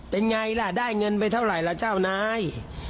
เป็นไงล่ะได้เงินไปเท่าไหร่ล่ะเจ้านาย